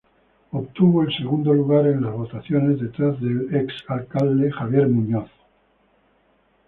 Obtuvo el segundo lugar en las votaciones, detrás del ex alcalde Xavier Muñoz.